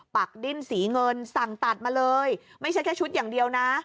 ดิ้นสีเงินสั่งตัดมาเลยไม่ใช่แค่ชุดอย่างเดียวนะ